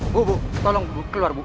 bu bu tolong keluar bu